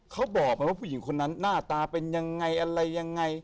เขาบอกไหมว่าผู้หญิงคนนั้นหน้าตาเป็นยังไงอะไรยังไง